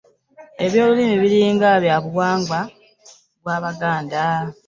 Eby'obulimi biringa byabuwangwa bwa baganda.